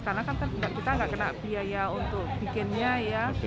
karena kita nggak kena biaya untuk bikinnya ya